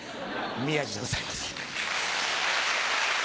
宮治でございます。